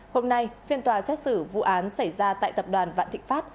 hôm nay phiên tòa xét xử vụ án xảy ra tại tập đoàn vạn thịnh pháp